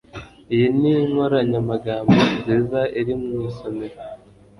iyi ni inkoranyamagambo nziza iri mu isomero